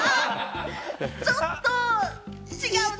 ちょっと違うな。